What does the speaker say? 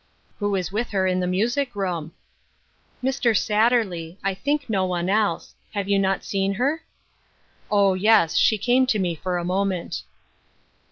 " Who is with her in the music room ?"" Mr. Satterley ; I think no one else. Have you not seen her ?"" O, yes! she came to me for a moment."